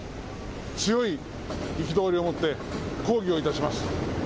強い憤りを持って抗議をいたします。